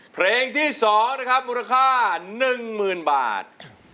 เพลงที่๒นะครับมูลค่า๑๐๐๐บาท